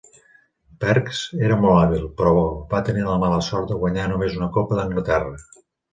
Parkes era molt hàbil, però va tenir la mala sort de guanyar només una copa d'Anglaterra.